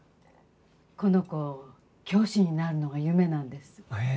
この子教師になるのが夢なんです。